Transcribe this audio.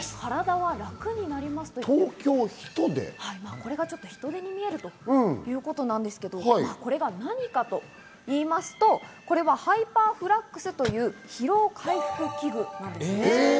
これがちょっと、ヒトデに見えるということなんですが、これが何かといいますと、ハイパーフラックスという疲労回復器具なんです。